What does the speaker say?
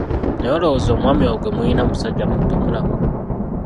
Naye olowooza omwami oyo gwe mulina musajja muntu-mulamu?